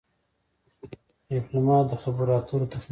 ډيپلومات د خبرو اترو تخنیکونه پېژني.